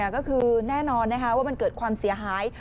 ก็คือแน่นอนว่ามันเกิดความเสียหาย